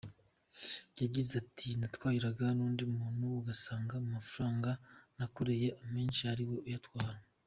Yagize ati" Natwariraga undi muntu ugasanga mu mafaranga nakoreye amenshi ariwe uyatwara.